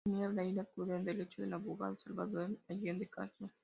La familia Freyre acusa del hecho al abogado Salvador Allende Castro.